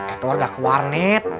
edward udah keluar nek